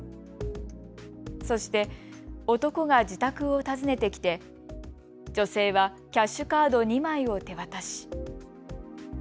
そして男が自宅を訪ねてきて女性はキャッシュカード２枚を手渡し。